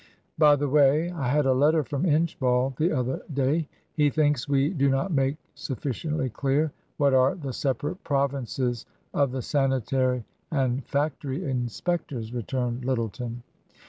" By the way, I had a letter from Inchbald the other day. He thinks we do not make sufficiently clear what are the separate provinces of the Sanitary and Factory Inspectors," returned Lyttleton.